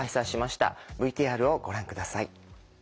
ＶＴＲをご覧下さい。